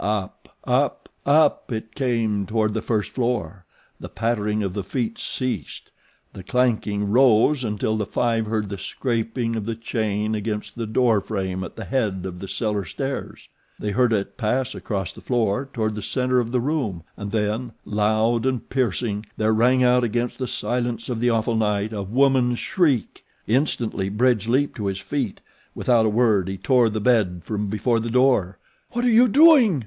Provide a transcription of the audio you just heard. Up, up, up it came toward the first floor. The pattering of the feet ceased. The clanking rose until the five heard the scraping of the chain against the door frame at the head of the cellar stairs. They heard it pass across the floor toward the center of the room and then, loud and piercing, there rang out against the silence of the awful night a woman's shriek. Instantly Bridge leaped to his feet. Without a word he tore the bed from before the door. "What are you doing?"